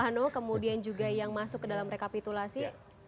ini yang di signal kemudian juga yang masuk ke dalam rekapitulasi